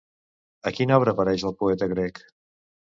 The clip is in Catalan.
A quina obra apareix el poeta grec?